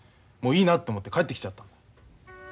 もういいなと思って帰ってきちゃった。